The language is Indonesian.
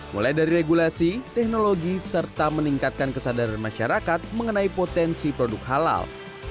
mulai dari regulasi teknologi serta meningkatkan kesadaran masyarakat mengenai potensi produk halal